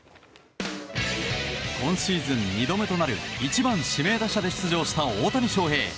今シーズン２度目となる１番指名打者で出場した大谷翔平。